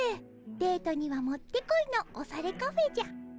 デートにはもってこいのオサレカフェじゃ。